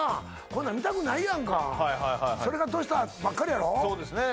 こんなん見たくないやんかそれがどうしたばっかりやろそうですね